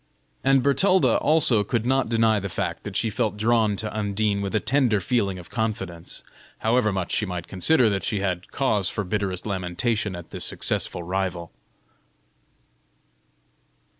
And Bertalda also could not deny the fact that she felt drawn to Undine with a tender feeling of confidence, however much she might consider that she had cause for the bitterest lamentation at this successful rival.